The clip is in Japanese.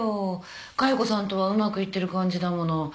加代子さんとはうまくいってる感じだもの。